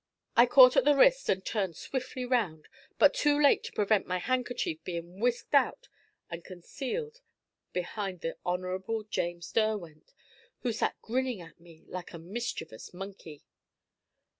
I caught at the wrist and turned swiftly round, but too late to prevent my handkerchief being whisked out and concealed behind the Hon. James Derwent, who sat grinning at me like a mischievous monkey.